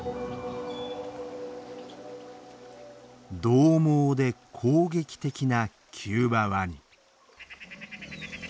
どう猛で攻撃的なキューバワニ。